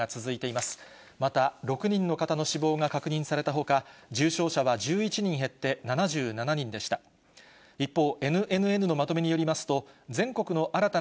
また、６人の方の死亡が確認されたほか、重症者は１１人減って７７人でした。